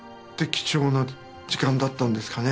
貴重な時間だったんですかねえ。